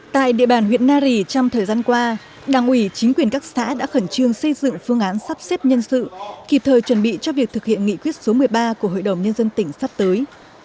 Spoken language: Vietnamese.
tại địa bàn huyện nari trong thời gian qua đảng ủy chính quyền các xã đã khẩn trương xây dựng phương án sắp xếp nhân sự kịp thời chuẩn bị cho việc thực hiện nghị quyết số một mươi ba của hội đồng nhân dân tỉnh sắp tới